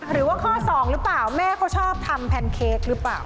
หรือว่าข้อสองหรือเปล่าแม่เขาชอบทำแพนเค้กหรือเปล่า